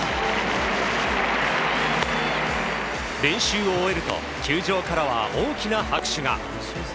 練習を終えると球場からは大きな拍手が。